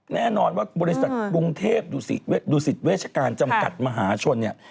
แน่นอนว่าบริษัทกรุงเทพฯดูสิทธิ์เวชการจำกัดมหาชน